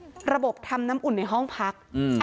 อยู่ดีมาตายแบบเปลือยคาห้องน้ำได้ยังไง